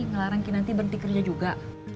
ngelarang kinanti berhenti kerja juga